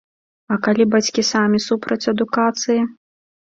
А калі бацькі самі супраць адукацыі?